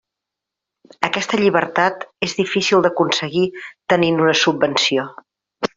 Aquesta llibertat és difícil d'aconseguir tenint una subvenció.